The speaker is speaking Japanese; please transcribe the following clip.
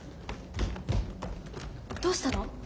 どうしたの？